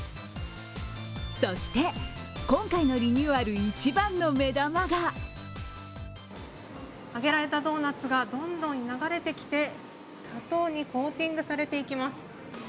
そして、今回のリニューアル一番の目玉が揚げられたドーナツがどんどん流れてきて砂糖にコーティングされていきます。